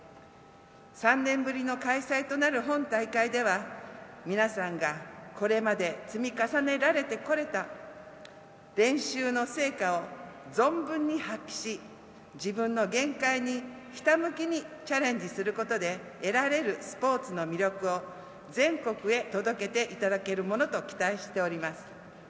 三年ぶりの開催となる本大会では皆さんがこれまで積み重ねてこられた練習の成果を存分に発揮し自分の限界にひたむきにチャレンジすることで得られるスポーツの魅力を全国へ届けていただけるものと期待しております。